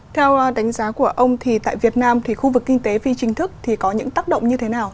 theo đánh giá của ông thì tại việt nam thì khu vực kinh tế phi chính thức thì có những tác động như thế nào